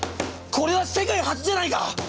これは世界初じゃないか？